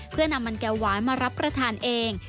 เพื่อนำมันแก้วหวานมารับประทานเอง